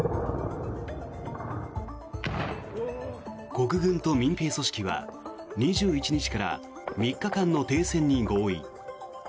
国軍と民兵組織は２１日から３日間の停戦に合意。